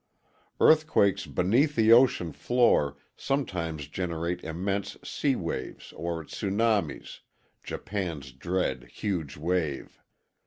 Earthquakes beneath the ocean floor sometimes generate immense sea waves or tsunamis (JapanŌĆÖs dread ŌĆ£huge waveŌĆØ).